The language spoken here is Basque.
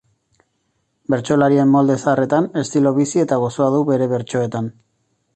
Bertsolarien molde zaharretan, estilo bizi eta gozoa du bere bertsoetan.